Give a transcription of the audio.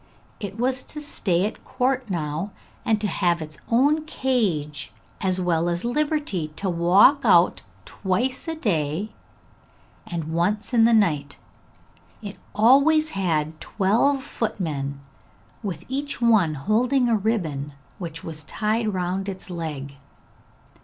It was to stay at court now, and to have its own cage, as well as liberty to walk out twice a day, and once in the night. It always had twelve footmen, with each one holding a ribbon which was tied round its leg.